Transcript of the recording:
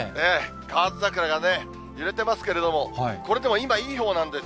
カワヅザクラがね、揺れてますけれども、これでも今いいほうなんです。